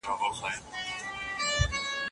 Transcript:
بزګران باید د خپلو محصولاتو په پلور کي تاوان ونه کړي.